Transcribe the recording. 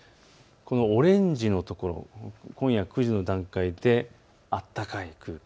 オレンジのところ、今夜９時の段階で暖かい空気。